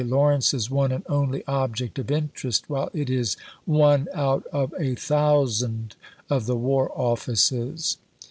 Lawrence's one and only object of interest, while it is one out of a thousand of the War Office's.'